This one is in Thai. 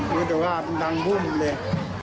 รู้แต่ว่าเป็นทางบุ่มเลย